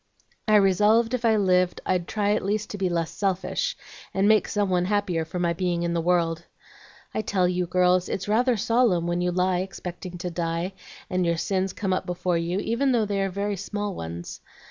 I resolved if I lived I'd try at least to be less selfish, and make some one happier for my being in the world. I tell you, girls, it's rather solemn when you lie expecting to die, and your sins come up before you, even though they are very small ones.